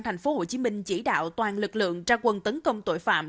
thành phố hồ chí minh chỉ đạo toàn lực lượng ra quân tấn công tội phạm